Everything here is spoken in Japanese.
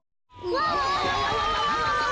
うわ！